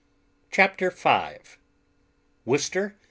CHAPTER V WORCESTER.